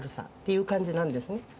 いう感じなんですね。